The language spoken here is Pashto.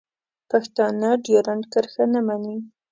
پښتانه ډیورنډ کرښه نه مني.